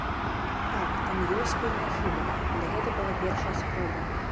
Так, там ёсць пэўныя хібы, але гэта была першая спроба.